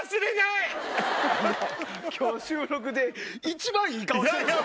今日収録で一番いい顔してるで。